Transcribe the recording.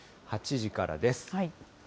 ８時からです。